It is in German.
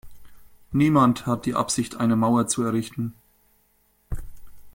Niemand hat die Absicht, eine Mauer zu errichten.